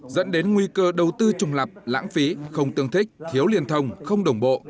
dẫn đến nguy cơ đầu tư trùng lập lãng phí không tương thích thiếu liên thông không đồng bộ